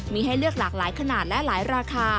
มีให้เลือกหลากหลายขนาดและหลายราคา